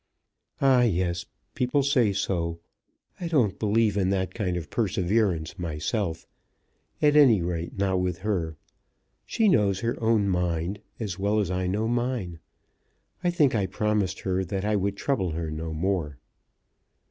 "Ah, yes; people say so. I don't believe in that kind of perseverance myself; at any rate not with her. She knows her own mind, as well as I know mine. I think I promised her that I would trouble her no more."